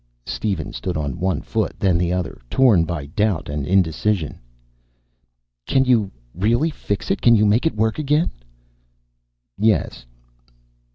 Steven stood on one foot, then the other, torn by doubt and indecision. "Can you really fix it? Can you make it work again?" "Yes."